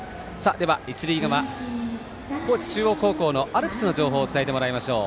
では、一塁側、高知中央高校のアルプスの情報を伝えてもらいましょう。